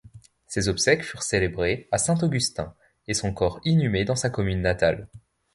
Ses obsèques furent célébrées à Saint-Augustin et son corps inhumé dans sa commune natale.